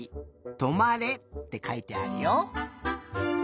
「止まれ」ってかいてあるよ。